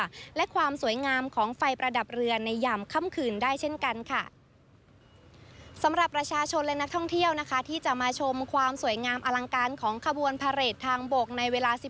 บรรยากาศที่ถนนเลียบหาดพัทยาจังหวัดชนบุรีค่ะ